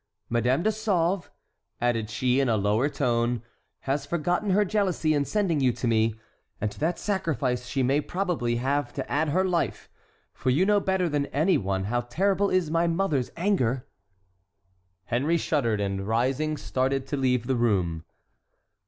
Madame de Sauve," added she, in a lower tone, "has forgotten her jealousy in sending you to me; and to that sacrifice she may probably have to add her life, for you know better than any one how terrible is my mother's anger!" Henry shuddered; and, rising, started to leave the room.